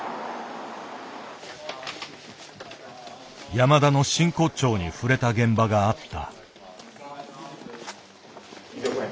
山田の真骨頂に触れた現場があった。